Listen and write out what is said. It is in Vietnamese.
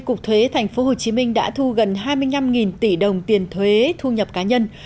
cục thuế tp hcm đã thu gần hai mươi năm tỷ đồng tiền thuế thu nhập cá nhân